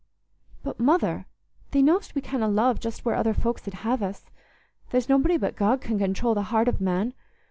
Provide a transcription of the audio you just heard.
"But, Mother, thee know'st we canna love just where other folks 'ud have us. There's nobody but God can control the heart of man.